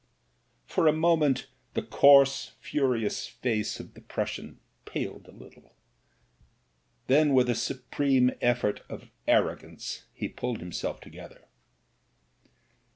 For a moment the coarse, furious face of the Prus sian paled a little ; then with a supreme effort of arro gance he pulled himself together.